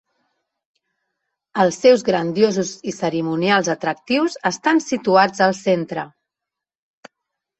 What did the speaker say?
Els seus grandiosos i cerimonials atractius estan situats al centre.